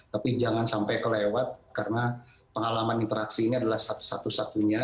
tapi jangan sampai kelewat karena pengalaman interaksi ini adalah satu satunya